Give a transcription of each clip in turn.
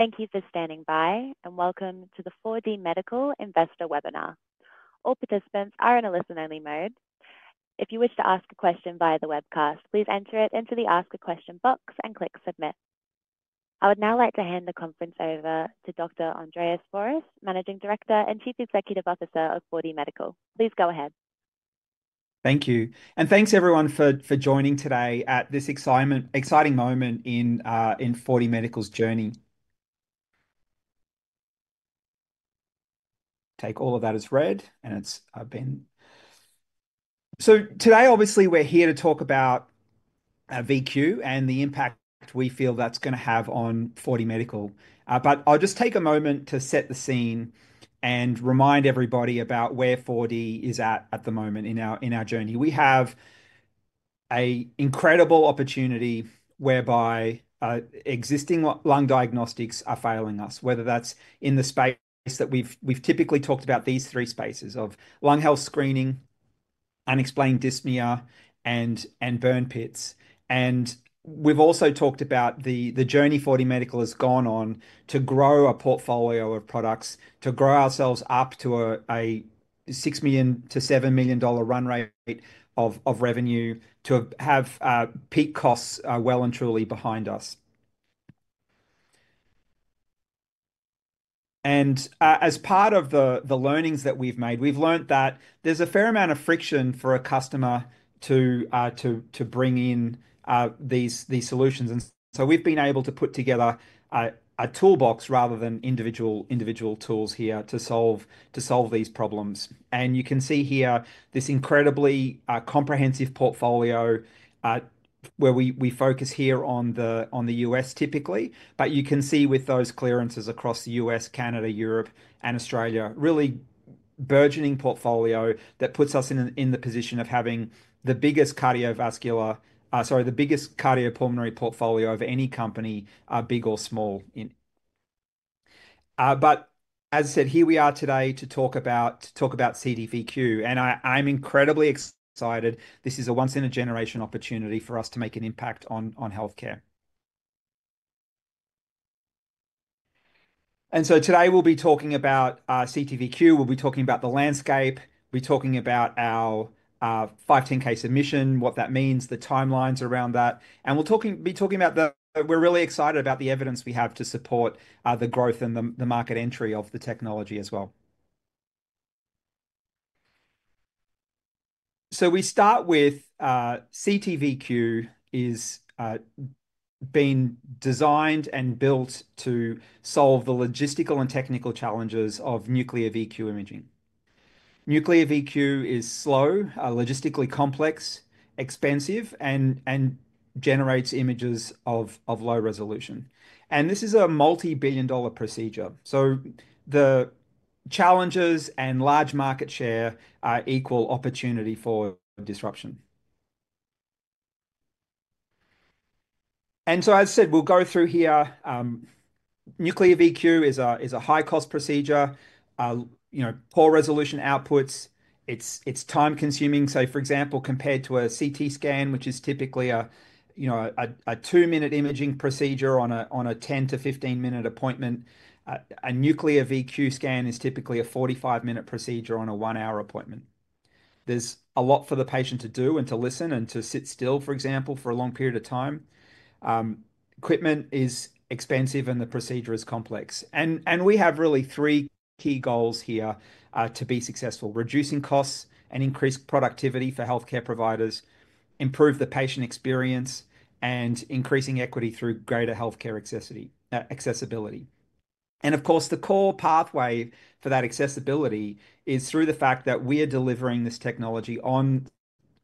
Thank you for standing by, and welcome to the 4DMedical Investor webinar. All participants are in a listen-only mode. If you wish to ask a question via the webcast, please enter it into the Ask a Question box and click Submit. I would now like to hand the conference over to Dr. Andreas Fouras, Managing Director and Chief Executive Officer of 4DMedical. Please go ahead. Thank you. Thanks, everyone, for joining today at this exciting moment in 4DMedical's journey. Take all of that as read, and it's been. Today, obviously, we're here to talk about VQ and the impact we feel that's going to have on 4DMedical. I'll just take a moment to set the scene and remind everybody about where 4D is at at the moment in our journey. We have an incredible opportunity whereby existing lung diagnostics are failing us, whether that's in the space that we've typically talked about, these three spaces of lung health screening, unexplained dyspnea, and burn pits. We've also talked about the journey 4DMedical has gone on to grow a portfolio of products, to grow ourselves up to a $6 million-$7 million run rate of revenue, to have peak costs well and truly behind us. As part of the learnings that we've made, we've learned that there's a fair amount of friction for a customer to bring in these solutions. We've been able to put together a toolbox rather than individual tools here to solve these problems. You can see here this incredibly comprehensive portfolio where we focus here on the U.S. typically. You can see with those clearances across the U.S., Canada, Europe, and Australia, a really burgeoning portfolio that puts us in the position of having the biggest cardiovascular, sorry, the biggest cardiopulmonary portfolio of any company, big or small. As I said, here we are today to talk about CTVQ. I'm incredibly excited. This is a once-in-a-generation opportunity for us to make an impact on health care. Today, we'll be talking about CTVQ. We'll be talking about the landscape. We'll be talking about our 510(k) submission, what that means, the timelines around that. We'll be talking about that. We're really excited about the evidence we have to support the growth and the market entry of the technology as well. We start with CTVQ being designed and built to solve the logistical and technical challenges of nuclear VQ imaging. Nuclear VQ is slow, logistically complex, expensive, and generates images of low resolution. This is a multi-billion dollar procedure. The challenges and large market share equal opportunity for disruption. As I said, we'll go through here. Nuclear VQ is a high-cost procedure, poor resolution outputs. It's time-consuming. For example, compared to a CT scan, which is typically a two-minute imaging procedure on a 10-15 minute appointment, a nuclear VQ scan is typically a 45-minute procedure on a one-hour appointment. There's a lot for the patient to do and to listen and to sit still, for example, for a long period of time. Equipment is expensive, and the procedure is complex. We have really three key goals here to be successful: reducing costs and increased productivity for health care providers, improve the patient experience, and increasing equity through greater health care accessibility. Of course, the core pathway for that accessibility is through the fact that we are delivering this technology on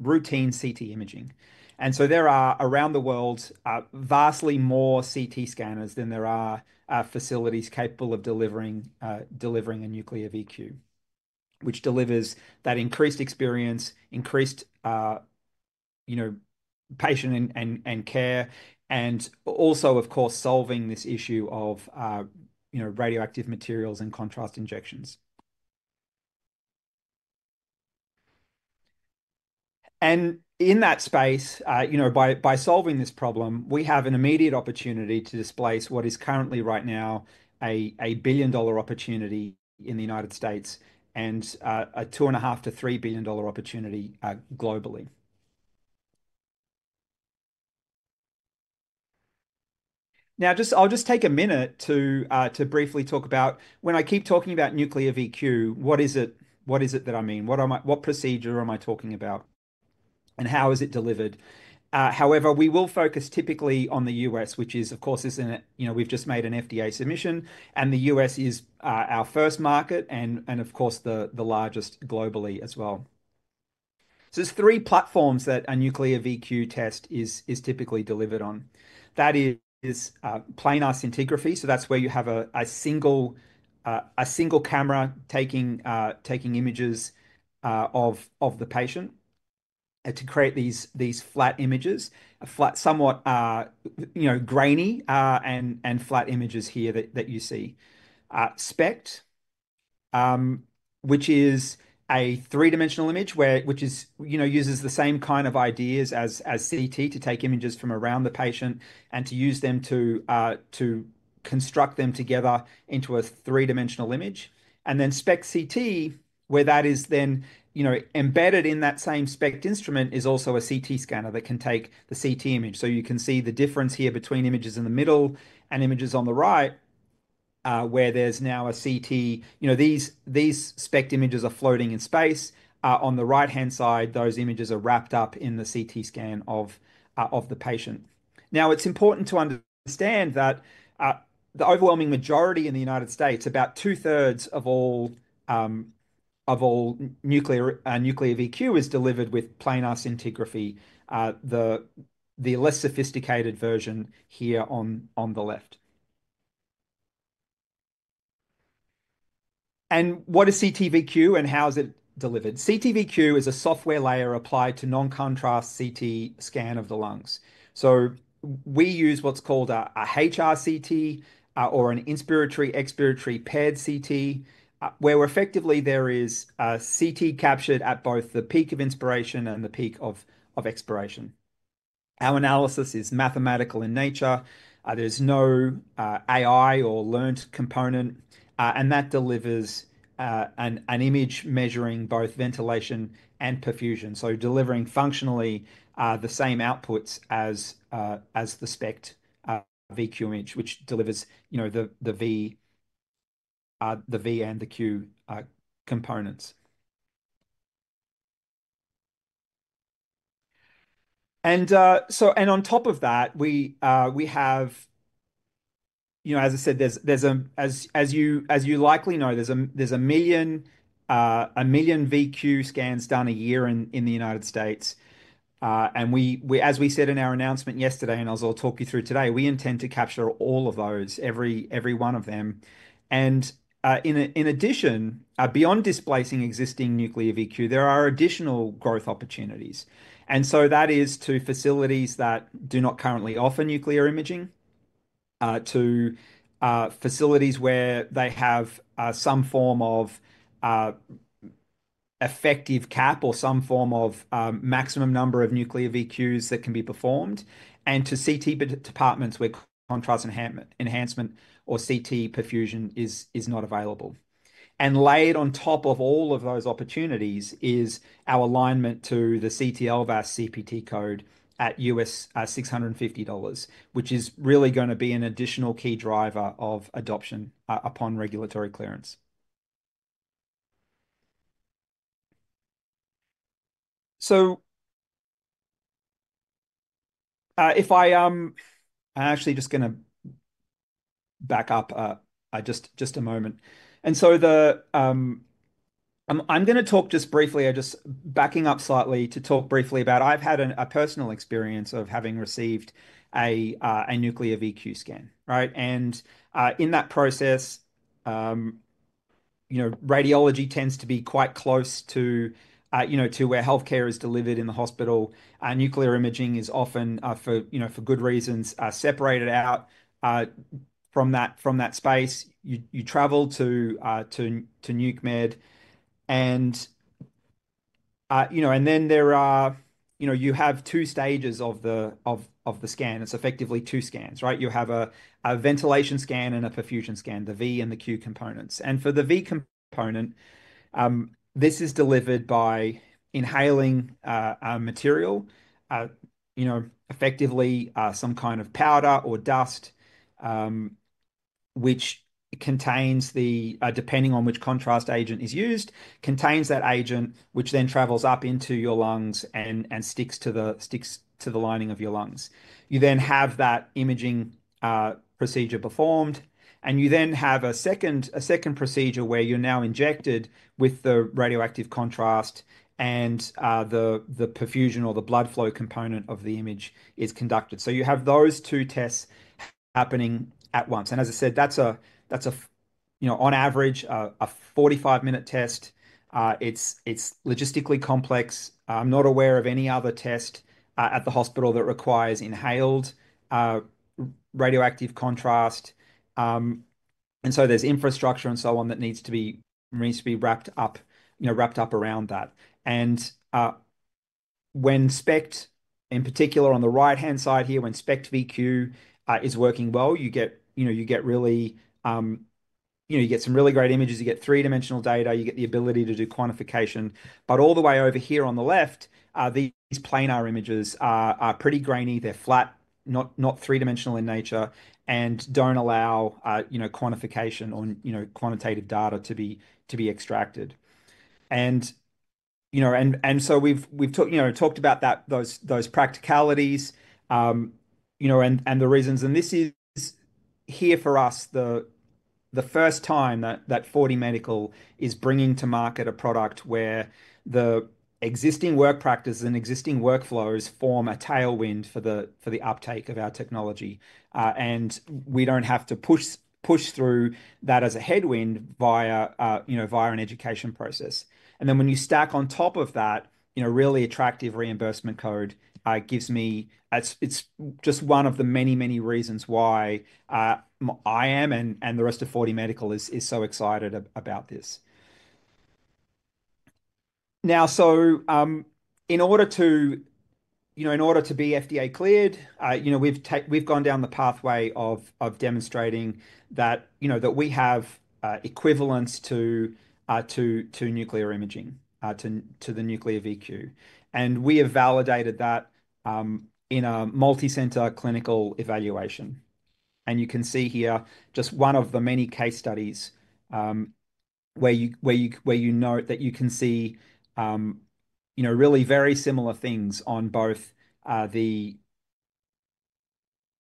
routine CT imaging. There are around the world vastly more CT scanners than there are facilities capable of delivering a nuclear VQ, which delivers that increased experience, increased patient and care, and also, of course, solving this issue of radioactive materials and contrast injections. In that space, by solving this problem, we have an immediate opportunity to displace what is currently right now a billion-dollar opportunity in the United States and a $2.5 billion-$3 billion opportunity globally. I'll just take a minute to briefly talk about when I keep talking about nuclear VQ, what is it that I mean? What procedure am I talking about? How is it delivered? We will focus typically on the U.S., which is, of course, we've just made an FDA submission. The U.S. is our first market and, of course, the largest globally as well. There are three platforms that a nuclear VQ test is typically delivered on. That is plain eye scintigraphy. That's where you have a single camera taking images of the patient to create these flat images, somewhat grainy and flat images here that you see. SPECT, which is a three-dimensional image, uses the same kind of ideas as CT to take images from around the patient and to use them to construct them together into a three-dimensional image. SPECT CT, where that is then embedded in that same SPECT instrument, is also a CT scanner that can take the CT image. You can see the difference here between images in the middle and images on the right, where there is now a CT. These SPECT images are floating in space. On the right-hand side, those images are wrapped up in the CT scan of the patient. It is important to understand that the overwhelming majority in the United States, about two-thirds of all nuclear VQ, is delivered with plain eye scintigraphy, the less sophisticated version here on the left. What is CTVQ, and how is it delivered? CTVQ is a software layer applied to non-contrast CT scan of the lungs. We use what's called a HRCT or an inspiratory-expiratory PED CT, where effectively there is CT captured at both the peak of inspiration and the peak of expiration. Our analysis is mathematical in nature. There's no AI or learned component. That delivers an image measuring both ventilation and perfusion, delivering functionally the same outputs as the SPECT VQ image, which delivers the V and the Q components. As I said, as you likely know, there's a million VQ scans done a year in the United States. As we said in our announcement yesterday, and I'll talk you through today, we intend to capture all of those, every one of them. In addition, beyond displacing existing nuclear VQ, there are additional growth opportunities. That is to facilities that do not currently offer nuclear imaging, to facilities where they have some form of effective cap or some form of maximum number of nuclear VQs that can be performed, and to CT departments where contrast enhancement or CT perfusion is not available. Layered on top of all of those opportunities is our alignment to the CTLVAS CPT code at $650, which is really going to be an additional key driver of adoption upon regulatory clearance. I'm actually just going to back up just a moment. I'm going to talk just briefly, just backing up slightly to talk briefly about I've had a personal experience of having received a nuclear VQ scan. In that process, radiology tends to be quite close to where health care is delivered in the hospital. Nuclear imaging is often, for good reasons, separated out from that space. You travel to NUCMED. You have two stages of the scan. It's effectively two scans. You have a ventilation scan and a perfusion scan, the V and the Q components. For the V component, this is delivered by inhaling material, effectively some kind of powder or dust, which contains, depending on which contrast agent is used, that agent, which then travels up into your lungs and sticks to the lining of your lungs. You then have that imaging procedure performed. You then have a second procedure where you're now injected with the radioactive contrast, and the perfusion or the blood flow component of the image is conducted. You have those two tests happening at once. As I said, that's on average a 45-minute test. It's logistically complex. I'm not aware of any other test at the hospital that requires inhaled radioactive contrast. There is infrastructure and so on that needs to be wrapped up around that. When SPECT, in particular on the right-hand side here, when SPECT VQ is working well, you get some really great images. You get three-dimensional data. You get the ability to do quantification. All the way over here on the left, these plain eye images are pretty grainy. They're flat, not three-dimensional in nature, and don't allow quantification or quantitative data to be extracted. We have talked about those practicalities and the reasons. This is here for us the first time that 4DMedical is bringing to market a product where the existing work practice and existing workflows form a tailwind for the uptake of our technology. We do not have to push through that as a headwind via an education process. When you stack on top of that, a really attractive reimbursement code, it is just one of the many, many reasons why I am and the rest of 4DMedical is so excited about this. In order to be FDA cleared, we have gone down the pathway of demonstrating that we have equivalence to nuclear imaging, to the nuclear VQ. We have validated that in a multicenter clinical evaluation. You can see here just one of the many case studies where you note that you can see really very similar things on both the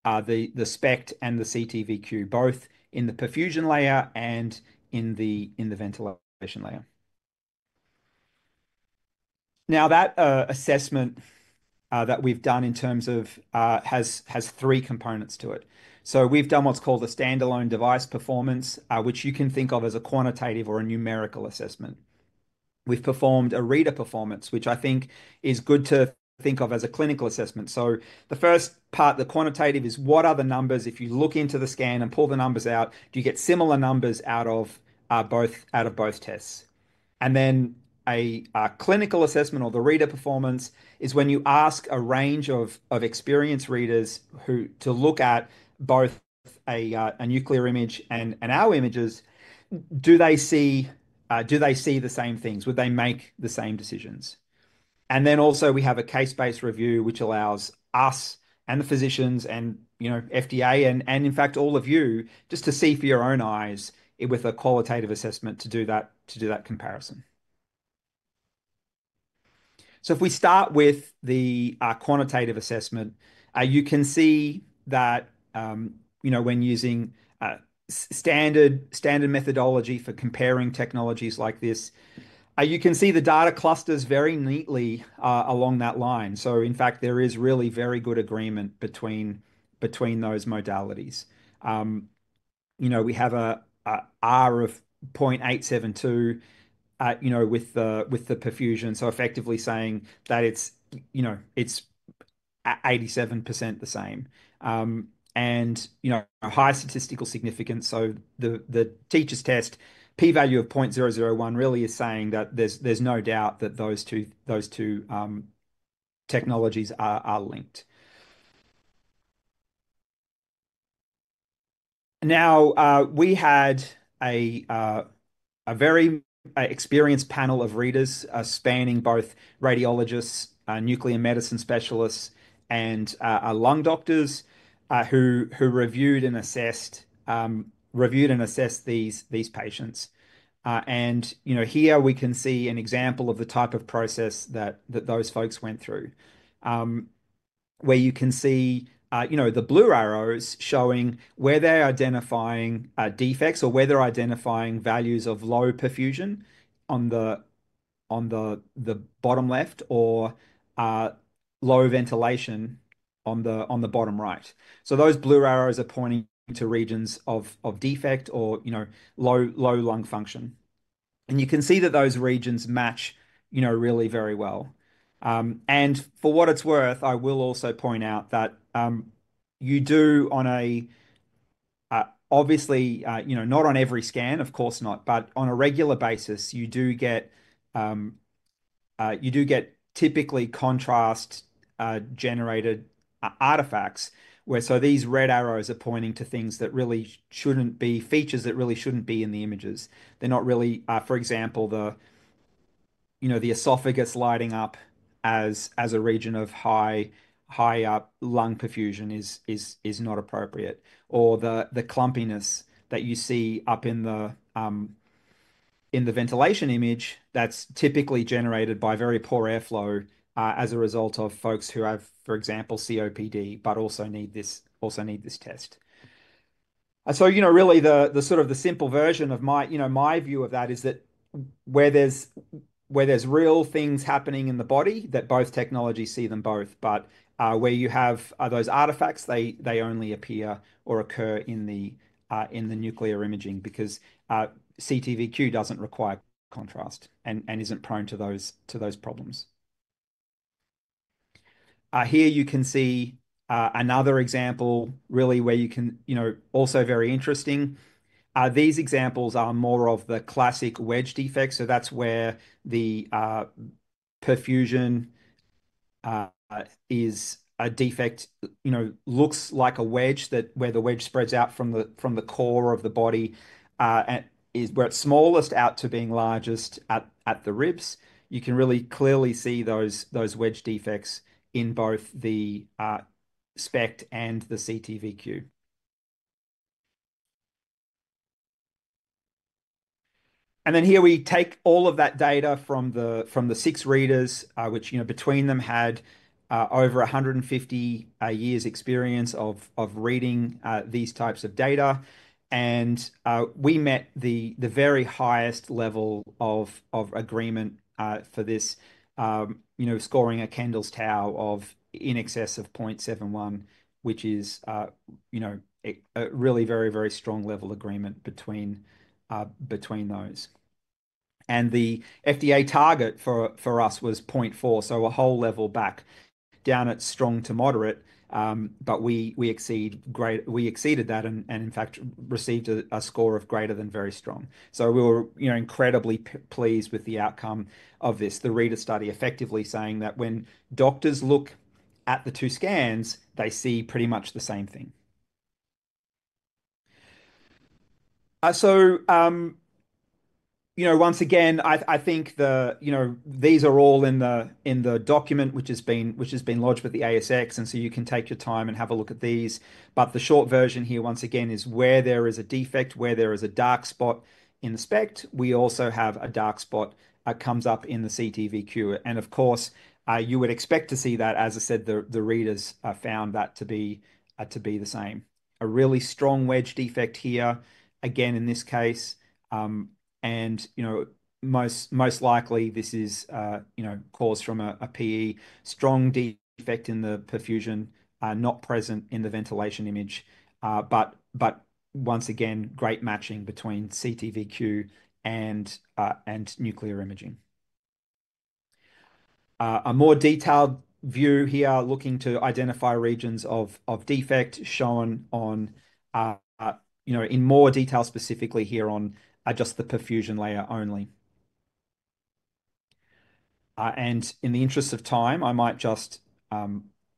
SPECT and the CTVQ, both in the perfusion layer and in the ventilation layer. That assessment that we have done has three components to it. We've done what's called a standalone device performance, which you can think of as a quantitative or a numerical assessment. We've performed a reader performance, which I think is good to think of as a clinical assessment. The first part, the quantitative, is what are the numbers? If you look into the scan and pull the numbers out, do you get similar numbers out of both tests? A clinical assessment or the reader performance is when you ask a range of experienced readers to look at both a nuclear image and our images, do they see the same things? Would they make the same decisions? We also have a case-based review, which allows us and the physicians and FDA and, in fact, all of you just to see for your own eyes with a qualitative assessment to do that comparison. If we start with the quantitative assessment, you can see that when using standard methodology for comparing technologies like this, you can see the data clusters very neatly along that line. In fact, there is really very good agreement between those modalities. We have an R of 0.872 with the perfusion, so effectively saying that it's 87% the same. And high statistical significance. The t-test P value of 0.001 really is saying that there's no doubt that those two technologies are linked. Now, we had a very experienced panel of readers spanning both radiologists, nuclear medicine specialists, and lung doctors who reviewed and assessed these patients. Here we can see an example of the type of process that those folks went through, where you can see the blue arrows showing where they're identifying defects or where they're identifying values of low perfusion on the bottom left or low ventilation on the bottom right. Those blue arrows are pointing to regions of defect or low lung function. You can see that those regions match really very well. For what it's worth, I will also point out that you do, obviously, not on every scan, of course not, but on a regular basis, you do get typically contrast-generated artifacts. These red arrows are pointing to things that really shouldn't be features that really shouldn't be in the images. They're not really, for example, the esophagus lighting up as a region of high lung perfusion is not appropriate. Or the clumpiness that you see up in the ventilation image, that's typically generated by very poor airflow as a result of folks who have, for example, COPD, but also need this test. Really, the sort of the simple version of my view of that is that where there's real things happening in the body, both technologies see them both. Where you have those artifacts, they only appear or occur in the nuclear imaging because CTVQ doesn't require contrast and isn't prone to those problems. Here you can see another example, really, where you can also—very interesting. These examples are more of the classic wedge defect. That's where the perfusion is a defect, looks like a wedge, where the wedge spreads out from the core of the body, where it's smallest out to being largest at the ribs. You can really clearly see those wedge defects in both the SPECT and the CTVQ. Here we take all of that data from the six readers, which between them had over 150 years' experience of reading these types of data. We met the very highest level of agreement for this, scoring a Kendall's tau of in excess of 0.71, which is a really very, very strong level of agreement between those. The FDA target for us was 0.4, so a whole level back down at strong to moderate. We exceeded that and, in fact, received a score of greater than very strong. We were incredibly pleased with the outcome of this, the reader study effectively saying that when doctors look at the two scans, they see pretty much the same thing. Once again, I think these are all in the document which has been lodged with the ASX. You can take your time and have a look at these. The short version here, once again, is where there is a defect, where there is a dark spot in the SPECT, we also have a dark spot that comes up in the CTVQ. Of course, you would expect to see that. As I said, the readers found that to be the same. A really strong wedge defect here, again, in this case. Most likely, this is caused from a PE. Strong defect in the perfusion, not present in the ventilation image. Once again, great matching between CTVQ and nuclear imaging. A more detailed view here looking to identify regions of defect shown in more detail specifically here on just the perfusion layer only. In the interest of time, I might just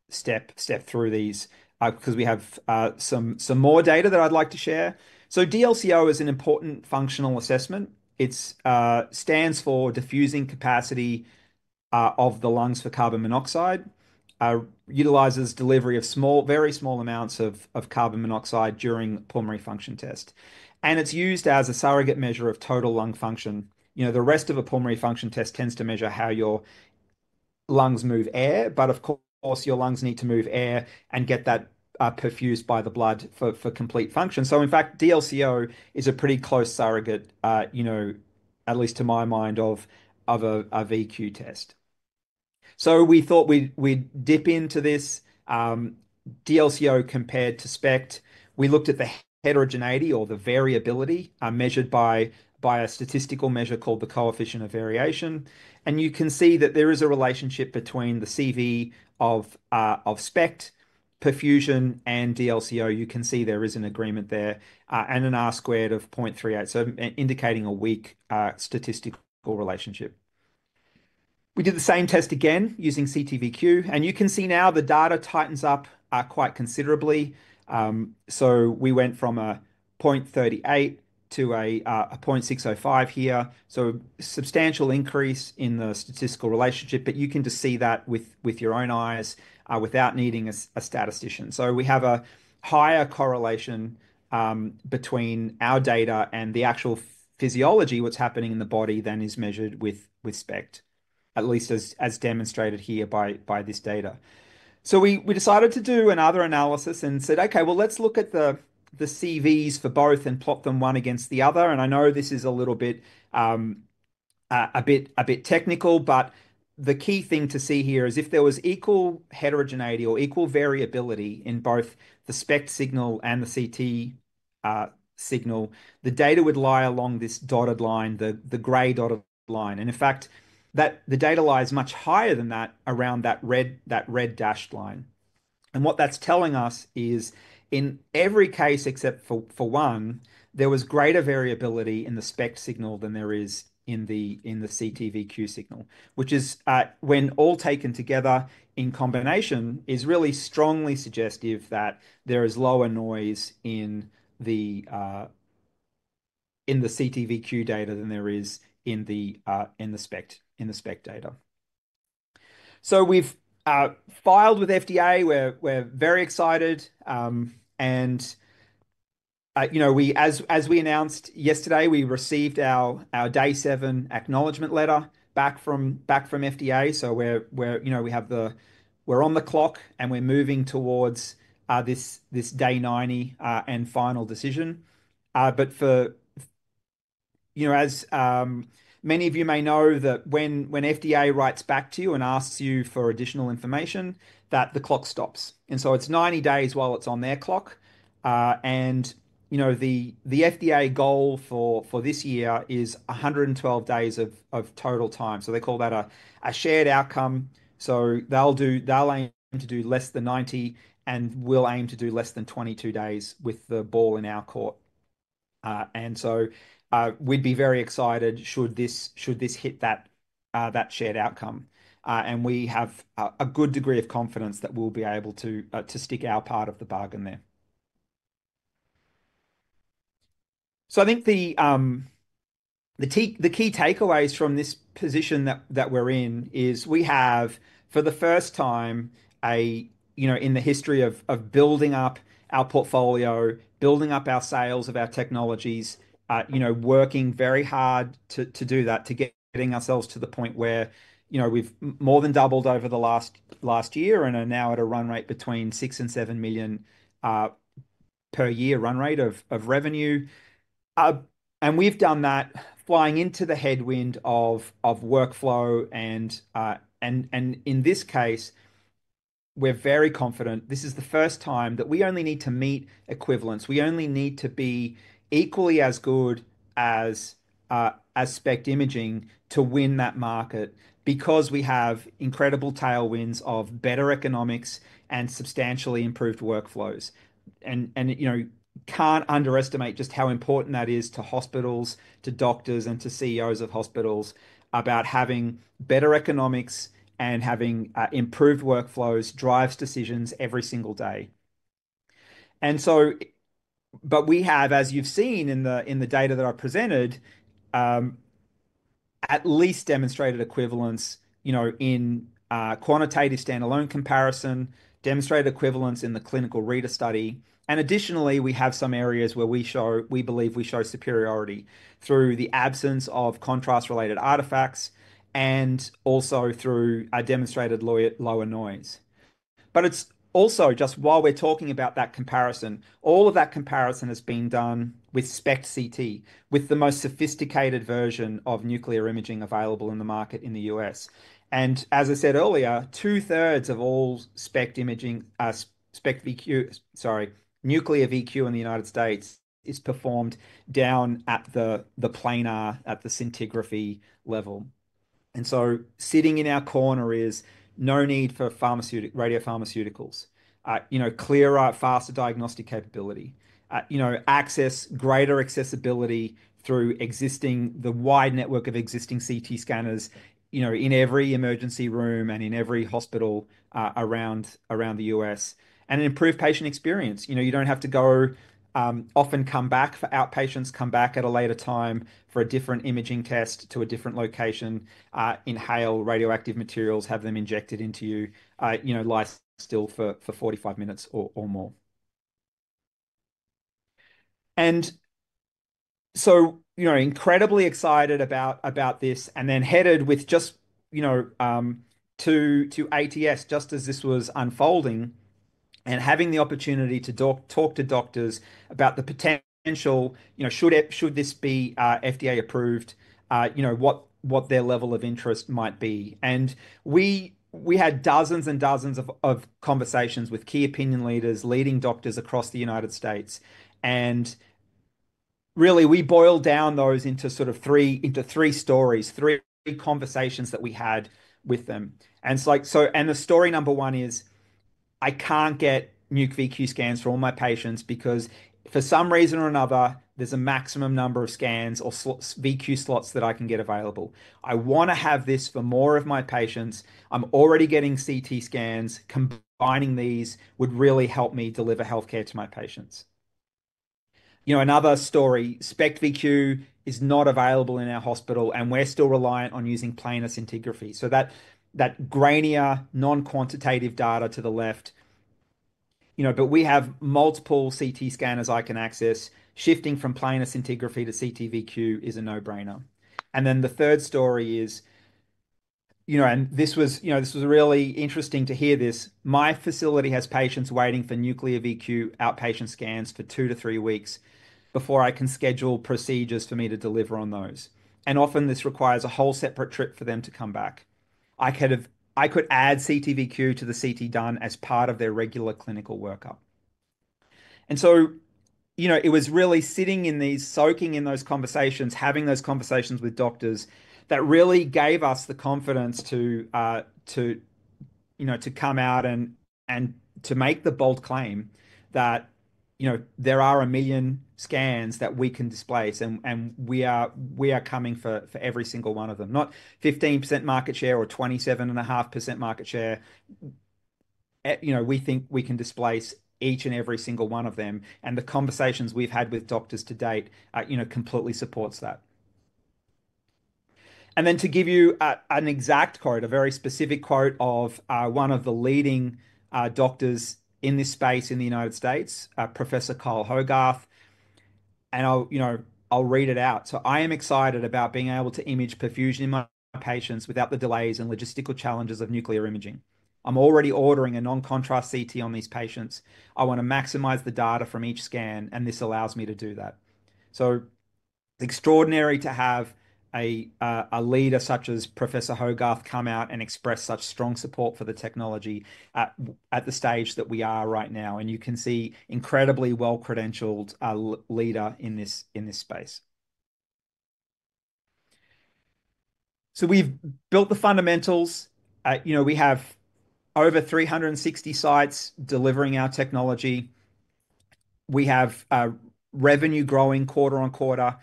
step through these because we have some more data that I'd like to share. DLCO is an important functional assessment. It stands for diffusing capacity of the lungs for carbon monoxide, utilizes delivery of very small amounts of carbon monoxide during pulmonary function test. It's used as a surrogate measure of total lung function. The rest of a pulmonary function test tends to measure how your lungs move air. Of course, your lungs need to move air and get that perfused by the blood for complete function. In fact, DLCO is a pretty close surrogate, at least to my mind, of a VQ test. We thought we'd dip into this. DLCO compared to SPECT, we looked at the heterogeneity or the variability measured by a statistical measure called the coefficient of variation. You can see that there is a relationship between the CV of SPECT, perfusion, and DLCO. You can see there is an agreement there and an R-squared of 0.38, indicating a weak statistical relationship. We did the same test again using CTVQ. You can see now the data tightens up quite considerably. We went from 0.38 to 0.605 here, a substantial increase in the statistical relationship. You can just see that with your own eyes without needing a statistician. We have a higher correlation between our data and the actual physiology, what is happening in the body, than is measured with SPECT, at least as demonstrated here by this data. We decided to do another analysis and said, "Okay, well, let's look at the CVs for both and plot them one against the other." I know this is a little bit technical, but the key thing to see here is if there was equal heterogeneity or equal variability in both the SPECT signal and the CT signal, the data would lie along this dotted line, the gray dotted line. In fact, the data lies much higher than that around that red dashed line. What that's telling us is in every case except for one, there was greater variability in the SPECT signal than there is in the CTVQ signal, which is, when all taken together in combination, really strongly suggestive that there is lower noise in the CTVQ data than there is in the SPECT data. We've filed with FDA. We're very excited. As we announced yesterday, we received our day seven acknowledgement letter back from FDA. We are on the clock, and we are moving towards this day 90 and final decision. As many of you may know, when FDA writes back to you and asks you for additional information, the clock stops. It is 90 days while it is on their clock. The FDA goal for this year is 112 days of total time. They call that a shared outcome. They will aim to do less than 90, and we will aim to do less than 22 days with the ball in our court. We would be very excited should this hit that shared outcome. We have a good degree of confidence that we will be able to stick our part of the bargain there. I think the key takeaways from this position that we're in is we have, for the first time, in the history of building up our portfolio, building up our sales of our technologies, working very hard to do that, to getting ourselves to the point where we've more than doubled over the last year and are now at a run rate between $6 million and $7 million per year run rate of revenue. We've done that flying into the headwind of workflow. In this case, we're very confident this is the first time that we only need to meet equivalents. We only need to be equally as good as SPECT imaging to win that market because we have incredible tailwinds of better economics and substantially improved workflows. You cannot underestimate just how important that is to hospitals, to doctors, and to CEOs of hospitals about having better economics and having improved workflows drives decisions every single day. We have, as you've seen in the data that I presented, at least demonstrated equivalence in quantitative standalone comparison, demonstrated equivalence in the clinical reader study. Additionally, we have some areas where we believe we show superiority through the absence of contrast-related artifacts and also through demonstrated lower noise. It is also, just while we're talking about that comparison, all of that comparison has been done with SPECT CT, with the most sophisticated version of nuclear imaging available in the US market. As I said earlier, two-thirds of all SPECT imaging, sorry, nuclear VQ in the United States is performed down at the planar, at the scintigraphy level. Sitting in our corner is no need for radio pharmaceuticals, clearer, faster diagnostic capability, access, greater accessibility through the wide network of existing CT scanners in every emergency room and in every hospital around the US, and an improved patient experience. You do not have to go often, come back for outpatients, come back at a later time for a different imaging test to a different location, inhale radioactive materials, have them injected into you, lie still for 45 minutes or more. Incredibly excited about this and then headed just to ATS just as this was unfolding and having the opportunity to talk to doctors about the potential, should this be FDA approved, what their level of interest might be. We had dozens and dozens of conversations with key opinion leaders, leading doctors across the United States. We boiled down those into sort of three stories, three conversations that we had with them. The story number one is, "I can't get nuclear VQ scans for all my patients because for some reason or another, there's a maximum number of scans or VQ slots that I can get available. I want to have this for more of my patients. I'm already getting CT scans. Combining these would really help me deliver healthcare to my patients." Another story, "SPECT VQ is not available in our hospital, and we're still reliant on using planar scintigraphy." That grainier, non-quantitative data to the left. We have multiple CT scanners I can access. Shifting from planar scintigraphy to CTVQ is a no-brainer. The third story is, and this was really interesting to hear this, "My facility has patients waiting for nuclear VQ outpatient scans for two to three weeks before I can schedule procedures for me to deliver on those. And often, this requires a whole separate trip for them to come back. I could add CTVQ to the CT done as part of their regular clinical workup." It was really sitting in these, soaking in those conversations, having those conversations with doctors that really gave us the confidence to come out and to make the bold claim that there are a million scans that we can displace and we are coming for every single one of them. Not 15% market share or 27.5% market share. We think we can displace each and every single one of them. The conversations we've had with doctors to date completely supports that. To give you an exact quote, a very specific quote of one of the leading doctors in this space in the United States, Professor Carl Hogarth. I'll read it out. "So I am excited about being able to image perfusion in my patients without the delays and logistical challenges of nuclear imaging. I'm already ordering a non-contrast CT on these patients. I want to maximize the data from each scan, and this allows me to do that." Extraordinary to have a leader such as Professor Hogarth come out and express such strong support for the technology at the stage that we are right now. You can see incredibly well-credentialed leader in this space. We've built the fundamentals. We have over 360 sites delivering our technology. We have revenue growing quarter on quarter,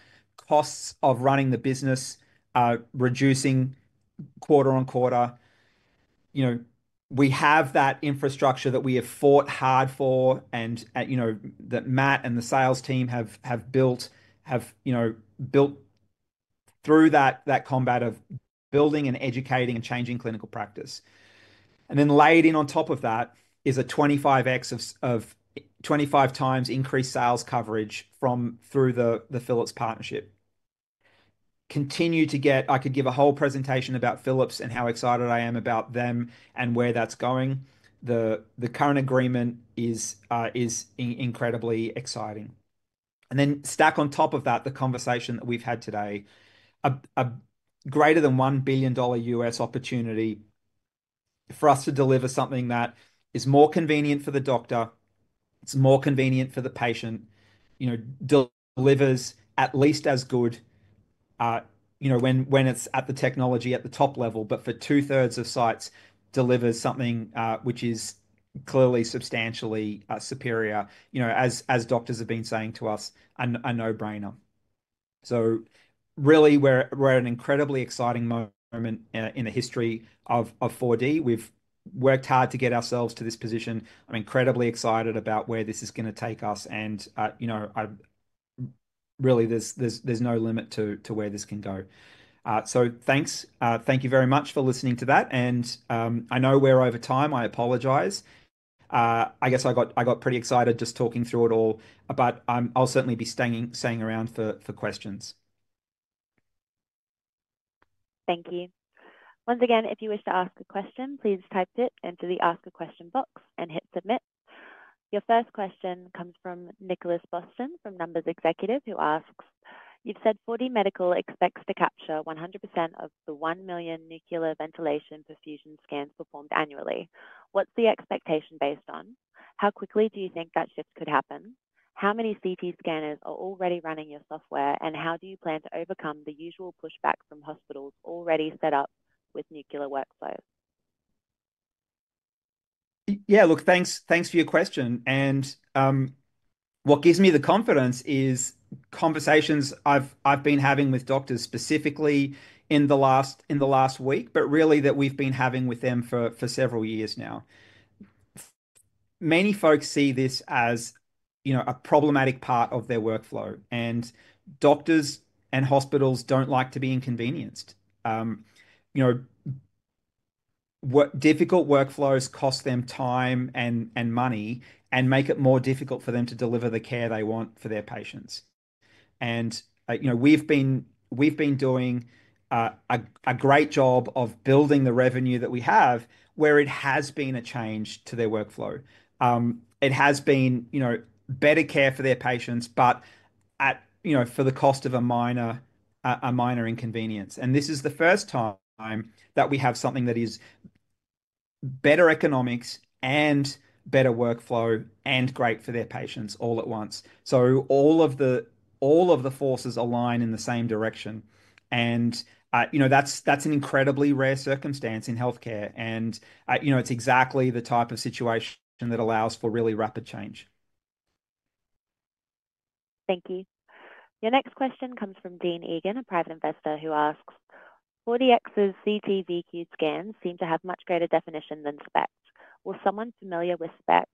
costs of running the business reducing quarter on quarter. We have that infrastructure that we have fought hard for and that Matt and the sales team have built through that combat of building and educating and changing clinical practice. Laid in on top of that is a 25 times increased sales coverage through the Philips partnership. I could give a whole presentation about Philips and how excited I am about them and where that's going. The current agreement is incredibly exciting. Then stack on top of that, the conversation that we've had today, a greater than $1 billion US opportunity for us to deliver something that is more convenient for the doctor, it's more convenient for the patient, delivers at least as good when it's at the technology at the top level, but for two-thirds of sites delivers something which is clearly substantially superior, as doctors have been saying to us, a no-brainer. Really, we're at an incredibly exciting moment in the history of 4DMedical. We've worked hard to get ourselves to this position. I'm incredibly excited about where this is going to take us. Really, there's no limit to where this can go. Thanks. Thank you very much for listening to that. I know we're over time. I apologize. I guess I got pretty excited just talking through it all, but I'll certainly be staying around for questions. Thank you. Once again, if you wish to ask a question, please type it into the ask a question box and hit submit. Your first question comes from Nicholas Boston from Numbers Executive, who asks, "You've said 4DMedical expects to capture 100% of the one million nuclear ventilation perfusion scans performed annually. What's the expectation based on? How quickly do you think that shift could happen? How many CT scanners are already running your software, and how do you plan to overcome the usual pushback from hospitals already set up with nuclear workflows? Yeah, look, thanks for your question. What gives me the confidence is conversations I've been having with doctors specifically in the last week, but really that we've been having with them for several years now. Many folks see this as a problematic part of their workflow. Doctors and hospitals don't like to be inconvenienced. Difficult workflows cost them time and money and make it more difficult for them to deliver the care they want for their patients. We've been doing a great job of building the revenue that we have where it has been a change to their workflow. It has been better care for their patients, but for the cost of a minor inconvenience. This is the first time that we have something that is better economics and better workflow and great for their patients all at once. All of the forces align in the same direction. That's an incredibly rare circumstance in healthcare. It's exactly the type of situation that allows for really rapid change. Thank you. Your next question comes from Dean Egan, a private investor who asks, "4DMedical's CTVQ scans seem to have much greater definition than SPECT. Will someone familiar with SPECT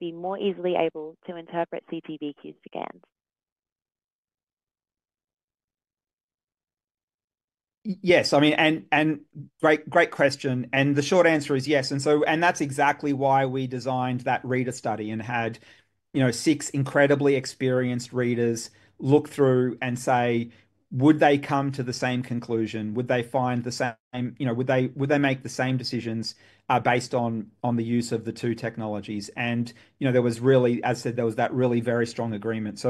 be more easily able to interpret CTVQ scans? Yes. I mean, great question. The short answer is yes. That is exactly why we designed that reader study and had six incredibly experienced readers look through and say, "Would they come to the same conclusion? Would they find the same? Would they make the same decisions based on the use of the two technologies?" There was really, as I said, that really very strong agreement.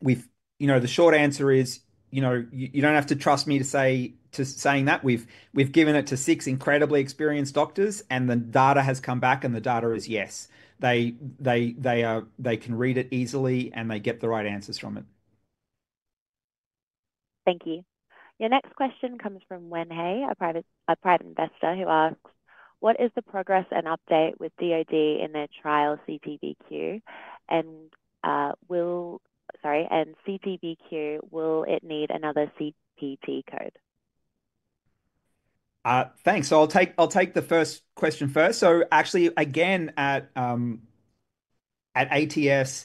The short answer is you do not have to trust me to say that. We have given it to six incredibly experienced doctors, and the data has come back, and the data is yes. They can read it easily, and they get the right answers from it. Thank you. Your next question comes from Wenhei, a private investor who asks, "What is the progress and update with DOD in their trial CTVQ?" "Sorry, and CTVQ, will it need another CPT code? Thanks. I'll take the first question first. Actually, again, at ATS,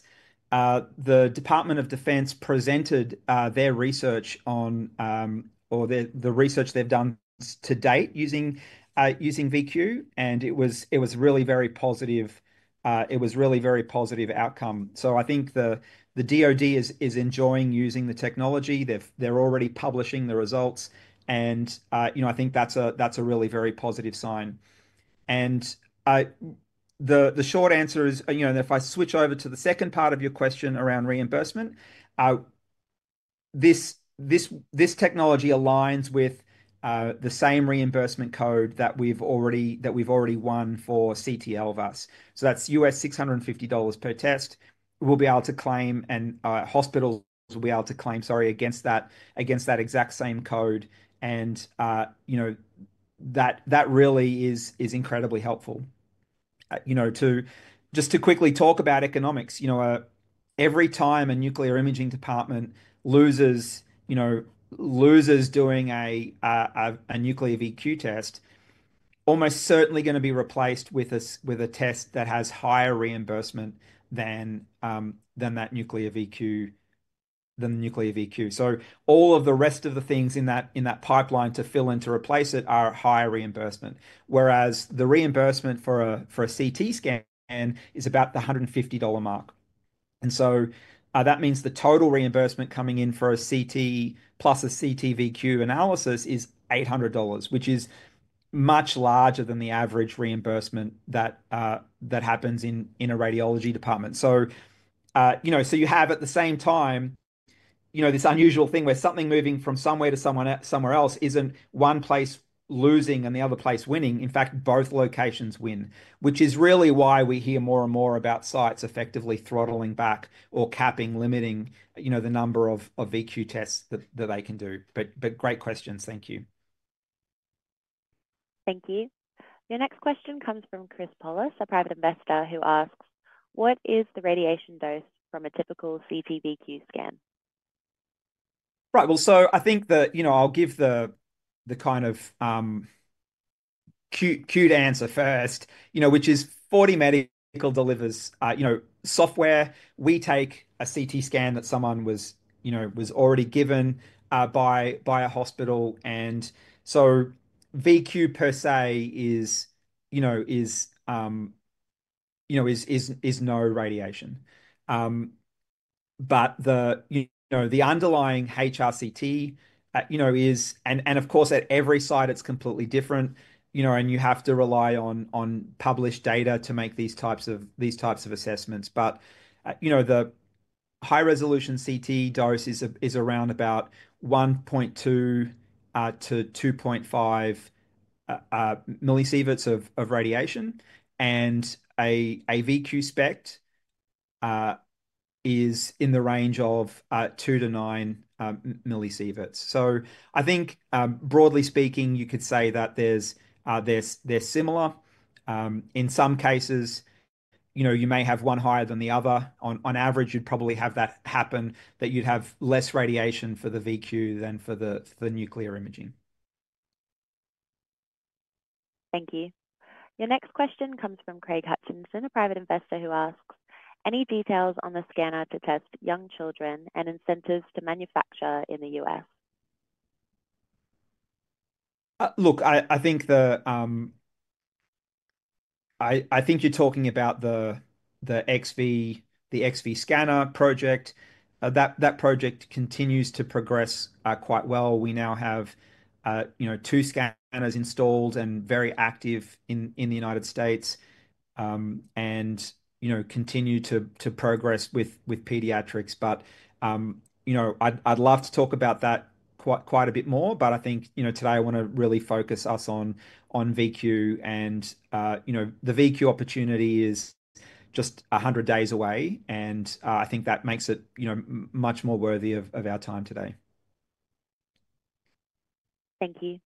the Department of Defense presented their research or the research they've done to date using VQ. It was really very positive. It was really very positive outcome. I think the DOD is enjoying using the technology. They're already publishing the results. I think that's a really very positive sign. The short answer is, if I switch over to the second part of your question around reimbursement, this technology aligns with the same reimbursement code that we've already won for CTLVAS. That's $650 per test. We'll be able to claim, and hospitals will be able to claim, sorry, against that exact same code. That really is incredibly helpful. Just to quickly talk about economics, every time a nuclear imaging department loses doing a nuclear VQ test, almost certainly going to be replaced with a test that has higher reimbursement than that nuclear VQ. All of the rest of the things in that pipeline to fill in to replace it are higher reimbursement, whereas the reimbursement for a CT scan is about the $150 mark. That means the total reimbursement coming in for a CT plus a CTVQ analysis is $800, which is much larger than the average reimbursement that happens in a radiology department. You have at the same time this unusual thing where something moving from somewhere to somewhere else is not one place losing and the other place winning. In fact, both locations win, which is really why we hear more and more about sites effectively throttling back or capping, limiting the number of VQ tests that they can do. Great questions. Thank you. Thank you. Your next question comes from Chris Paulus, a private investor who asks, "What is the radiation dose from a typical CTVQ scan? Right. I think I'll give the kind of cute answer first, which is 4DMedical delivers software. We take a CT scan that someone was already given by a hospital. VQ per se is no radiation. The underlying HRCT is, and of course, at every site, it's completely different. You have to rely on published data to make these types of assessments. The high-resolution CT dose is around about 1.2-2.5 millisieverts of radiation. A VQ SPECT is in the range of 2-9 millisieverts. I think, broadly speaking, you could say that they're similar. In some cases, you may have one higher than the other. On average, you'd probably have that happen that you'd have less radiation for the VQ than for the nuclear imaging. Thank you. Your next question comes from Craig Hutchinson, a private investor who asks, "Any details on the scanner to test young children and incentives to manufacture in the U.S.? Look, I think you're talking about the XV scanner project. That project continues to progress quite well. We now have two scanners installed and very active in the United States and continue to progress with pediatrics. I would love to talk about that quite a bit more. I think today I want to really focus us on VQ. The VQ opportunity is just 100 days away. I think that makes it much more worthy of our time today. Thank you.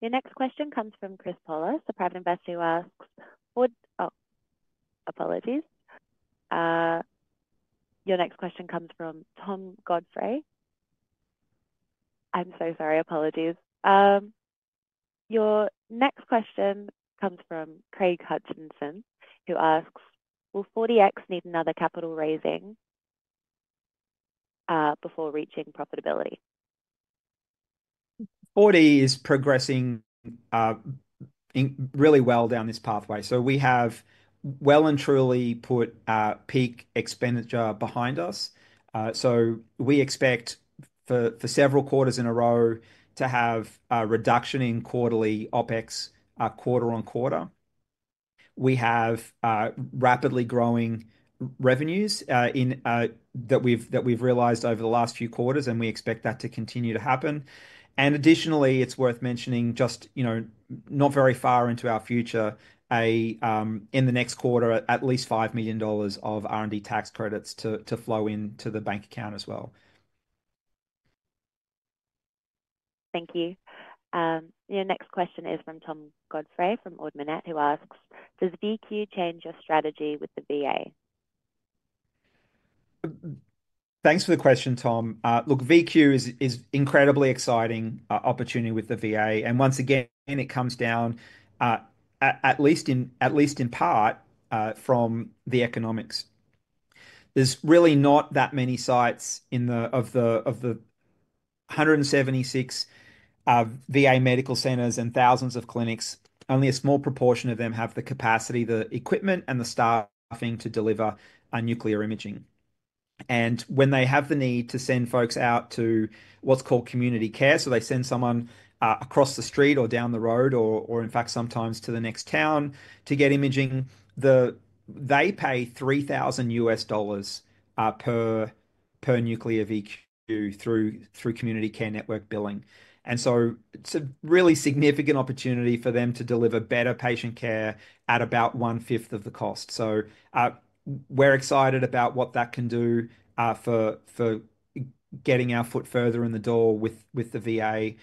Your next question comes from Chris Paulus, a private investor who asks, "Apologies." Your next question comes from Tom Godfrey. I'm so sorry. Apologies. Your next question comes from Craig Hutchinson, who asks, "Will 4DMedical need another capital raising before reaching profitability? 4DMedical is progressing really well down this pathway. We have well and truly put peak expenditure behind us. We expect for several quarters in a row to have a reduction in quarterly OpEx quarter on quarter. We have rapidly growing revenues that we've realized over the last few quarters, and we expect that to continue to happen. Additionally, it's worth mentioning just not very far into our future, in the next quarter, at least $5 million of R&D tax credits to flow into the bank account as well. Thank you. Your next question is from Tom Godfrey from Ordmanet, who asks, "Does VQ change your strategy with the VA? Thanks for the question, Tom. Look, VQ is an incredibly exciting opportunity with the VA. Once again, it comes down, at least in part, from the economics. There's really not that many sites of the 176 VA medical centers and thousands of clinics. Only a small proportion of them have the capacity, the equipment, and the staffing to deliver nuclear imaging. When they have the need to send folks out to what's called community care, they send someone across the street or down the road or, in fact, sometimes to the next town to get imaging, they pay $3,000 per nuclear VQ through community care network billing. It is a really significant opportunity for them to deliver better patient care at about one-fifth of the cost. We're excited about what that can do for getting our foot further in the door with the VA.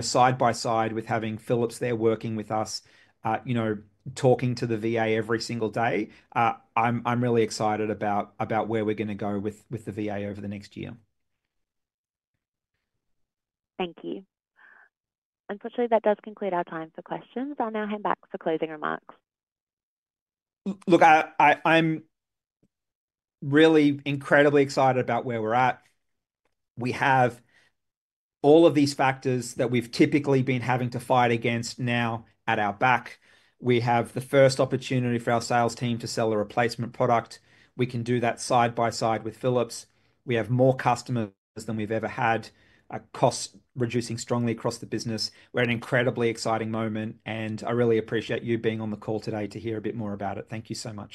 Side by side with having Philips there working with us, talking to the VA every single day, I'm really excited about where we're going to go with the VA over the next year. Thank you. Unfortunately, that does conclude our time for questions. I'll now hand back for closing remarks. Look, I'm really incredibly excited about where we're at. We have all of these factors that we've typically been having to fight against now at our back. We have the first opportunity for our sales team to sell a replacement product. We can do that side by side with Philips. We have more customers than we've ever had, costs reducing strongly across the business. We're at an incredibly exciting moment. I really appreciate you being on the call today to hear a bit more about it. Thank you so much.